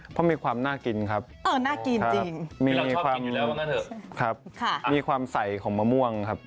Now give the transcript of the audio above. เพราะมีความน่ากินครับน่ากินจริงมีความสายของมะม่วงครับ